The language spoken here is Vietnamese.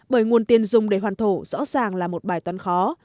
bởi nguồn tiền dùng để hoàn thổ rõ ràng là một bài toán khó